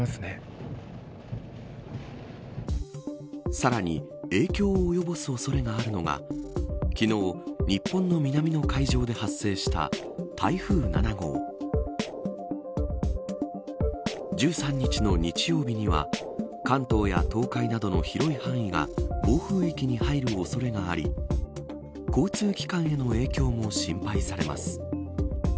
さらに影響を及ぼす恐れがあるのが昨日、日本の南の海上で発生した台風７号１３日の日曜日には関東や東海などの広い範囲が暴風域に入る恐れがあり交通機関への影響も心配されます。